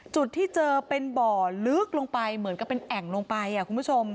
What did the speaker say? จุดที่เจอเป็นบ่อลึกลงไปเหมือนกับเป็นแอ่งลงไปคุณผู้ชม